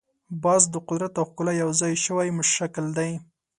باز د قدرت او ښکلا یو ځای شوی شکل دی